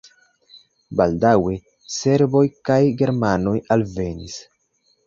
Baldaŭe serboj kaj germanoj alvenis.